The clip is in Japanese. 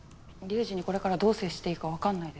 龍二にこれからどう接していいかわからないです。